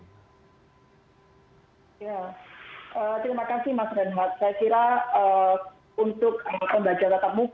terima kasih mas renhat